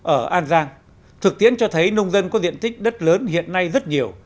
ở an giang thực tiễn cho thấy nông dân có diện tích đất lớn hiện nay rất nhiều